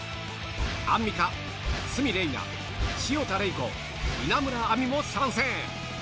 アンミカ、鷲見玲奈、潮田玲子、稲村亜美も参戦。